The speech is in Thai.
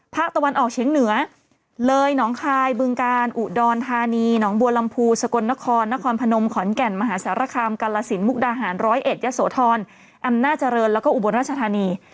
ภาคตะวันออกเฉียงเหนือเลยหนองคายบึงกาลอุดรธานีหนองบัวลำพูสกลนครนครพนมขอนแก่นมหาสารคามกาลสินมุกดาหารร้อยเอ็ดยะโสธรอำนาจเจริญแล้วก็อุบลราชธานี